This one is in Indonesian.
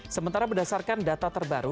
sementara berdasarkan data terbaru